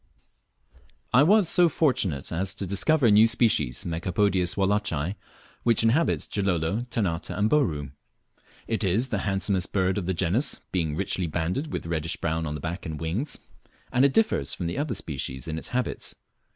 I was so fortunate as to discover a new species (Megapodius wallacei), which inhibits Gilolo, Ternate, and Bouru. It is the handsomest bird of the genus, being richly banded with reddish brown on the back and wings; and it differs from the other species in its habits.